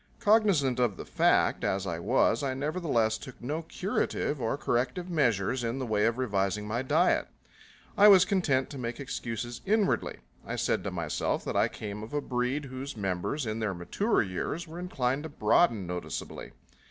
Cognizant of the fact, as I was, I nevertheless took no curative or corrective measures in the way of revising my diet. I was content to make excuses inwardly. I said to myself that I came of a breed whose members in their mature years were inclined to broaden noticeably.